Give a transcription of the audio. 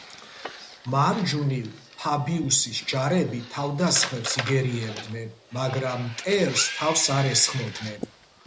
მარჯვნივ ფაბიუსის ჯარები თავდასხმებს იგერიებდნენ, მაგრამ მტერს თავს არ ესხმოდნენ.